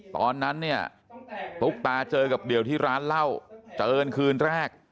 ตอนนั้นเนี่ยตุ๊กตาเจอกับเดี่ยวที่ร้านเหล้าเจอกันคืนแรก